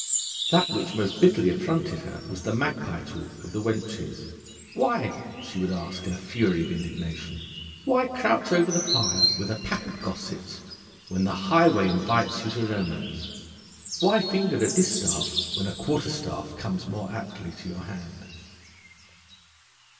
That which most bitterly affronted her was the magpie talk of the wenches. 'Why,' she would ask in a fury of indignation, 'why crouch over the fire with a pack of gossips, when the highway invites you to romance? Why finger a distaff, when a quarterstaff comes more aptly to your hand?'